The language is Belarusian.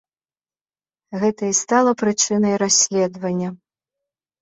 Гэта і стала прычынай расследавання.